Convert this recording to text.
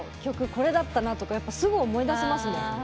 これだったなとかすぐ思い出せますね。